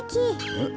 うん？